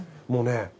もうね